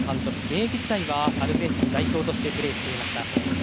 現役時代はアルゼンチン代表としてプレーしていました。